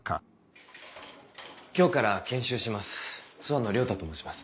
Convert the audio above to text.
今日から研修します